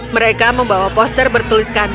mereka membawa poster bertuliskan